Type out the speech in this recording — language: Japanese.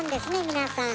皆さん。